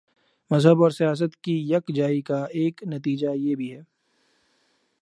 مذہب اور سیاست کی یک جائی کا ایک نتیجہ یہ بھی ہے۔